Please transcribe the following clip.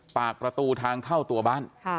ปากประตูทางเข้าตัวบ้าน